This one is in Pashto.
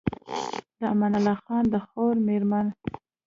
د امان الله خان د خور مېرمن